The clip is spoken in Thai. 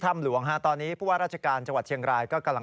หลวงฮะตอนนี้ผู้ว่าราชการจังหวัดเชียงรายก็กำลัง